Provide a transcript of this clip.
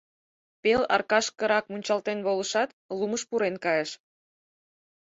Пел аркашкырак мунчалтен волышат, лумыш пурен кайыш.